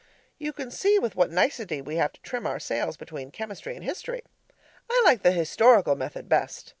You can see with what nicety we have to trim our sails between chemistry and history. I like the historical method best.